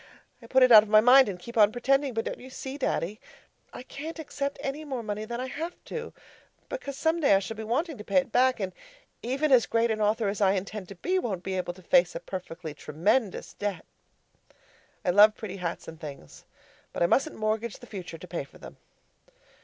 I put it out of my mind, and keep on pretending; but don't you see, Daddy? I can't accept any more money than I have to, because some day I shall be wanting to pay it back, and even as great an author as I intend to be won't be able to face a PERFECTLY TREMENDOUS debt. I'd love pretty hats and things, but I mustn't mortgage the future to pay for them.